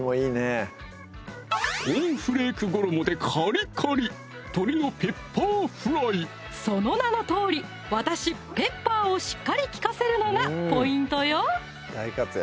コーンフレーク衣でカリカリその名のとおり私ペッパーをしっかり利かせるのがポイントよ